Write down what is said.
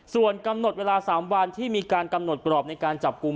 ส่วนกำหนดเวลา๓วันที่มีการกำหนดกรอบในการจับกลุ่ม